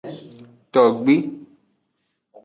Togbi.